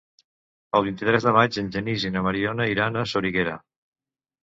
El vint-i-tres de maig en Genís i na Mariona iran a Soriguera.